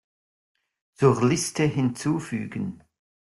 Zur Liste hinzufügen.